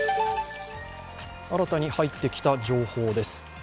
新たに入ってきた情報です。